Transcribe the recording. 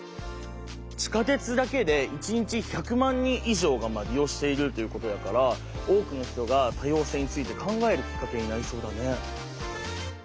地下鉄だけで一日１００万人以上が利用しているっていうことやから多くの人が多様性について考えるきっかけになりそうだね。